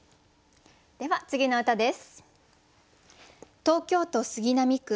では次の歌です。